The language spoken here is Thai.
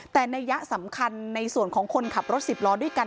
แต่นัยยะสำคัญในส่วนของคนขับรถสิบล้อด้วยกัน